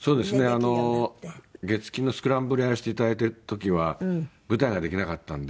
あの月金の『スクランブル』をやらせていただいてる時は舞台ができなかったので。